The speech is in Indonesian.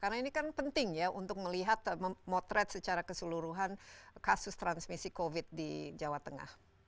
karena ini kan penting ya untuk melihat memotret secara keseluruhan kasus transmisi covid di jawa tengah